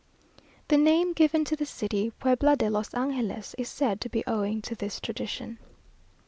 The name given to the city, "Puebla de los Angeles," is said to be owing to this tradition.